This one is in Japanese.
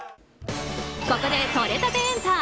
ここで、とれたてエンタ。